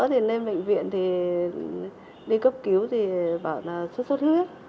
thì lên bệnh viện thì đi cấp cứu thì bảo là sốt xuất huyết